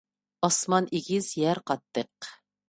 ئاسمان ئېگىز، يەر قاتتىق.